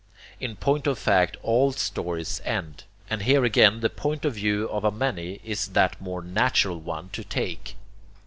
In point of fact all stories end; and here again the point of view of a many is that more natural one to take.